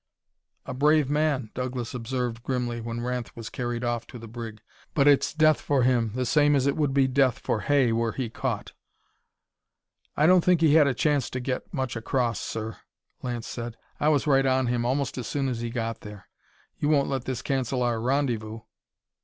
"A brave man," Douglas observed grimly when Ranth was carried off to the brig, "but it's death for him, the same as it would be death for Hay were he caught." "I don't think he had a chance to get much across, sir," Lance said. "I was right on him almost as soon as he got there. You won't let this cancel our rendezvous?"